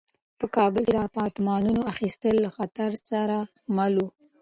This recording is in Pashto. په کابل کې د اپارتمانونو اخیستل له خطر سره مل وو.